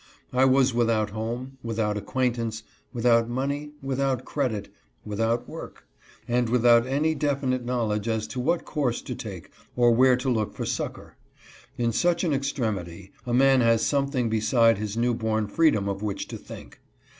I was without home, without acquaintance, without money, without credit, without work, and without any definite knowledge as to what course to take or where to look for succor. In such an ex tremity, a man has something beside his new born freedom of which to think.